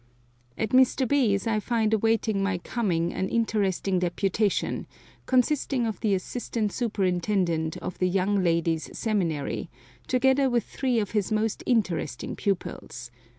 At Mr. B 's I find awaiting my coming an interesting deputation, consisting of the assistant superintendent of the young ladies' seminary, together with three of his most interesting pupils.